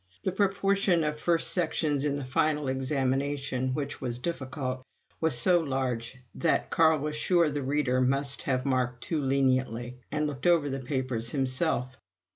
The proportion of first sections in the final examination, which was difficult, was so large that Carl was sure the reader must have marked too leniently, and looked over the papers himself.